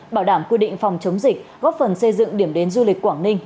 bảo đảm quy định phòng chống dịch góp phần xây dựng điểm đến du lịch quảng ninh